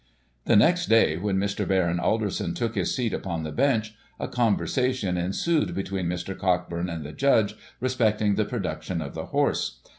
The next day, when Mr. Baron Alderson took his seat upon the Bench, a conversation ensued between Mr. Cockburn and the Judge, respecting the production of the horse.